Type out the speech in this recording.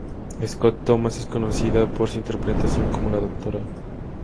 Scott Thomas es conocida por su interpretación como la Dra.